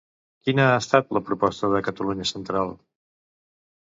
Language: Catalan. Quina ha estat la proposta de Catalunya Central?